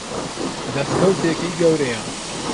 دەستکەوتێکی گەورەیە.